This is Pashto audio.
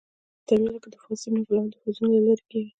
د بکس په ترمینل کې د فاز سیم نښلول د فیوزونو له لارې کېږي.